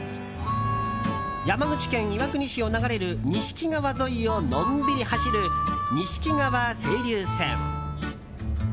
山口県岩国市を流れる錦川沿いをのんびり走る、錦川清流線。